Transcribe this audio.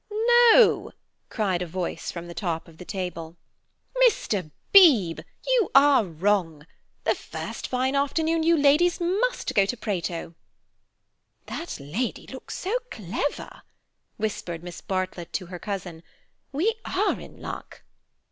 "No!" cried a voice from the top of the table. "Mr. Beebe, you are wrong. The first fine afternoon your ladies must go to Prato." "That lady looks so clever," whispered Miss Bartlett to her cousin. "We are in luck."